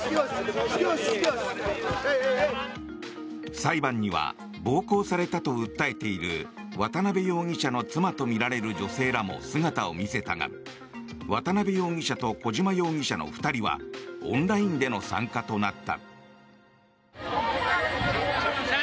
裁判には暴行されたと訴えている渡邉容疑者の妻とみられる女性らも姿を見せたが渡邉容疑者と小島容疑者の２人はオンラインでの参加となった。